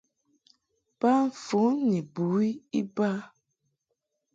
Ba fon ni bon bɨwi iba.